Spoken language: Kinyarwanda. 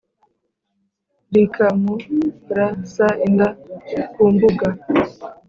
rikamurs inda ku mbuga